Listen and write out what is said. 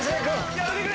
やめてくれ。